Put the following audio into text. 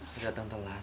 saya datang telat